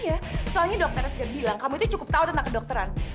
ya soalnya dokter bilang kamu itu cukup tahu tentang kedokteran